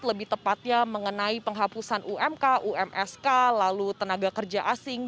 lebih tepatnya mengenai penghapusan umk umsk lalu tenaga kerja asing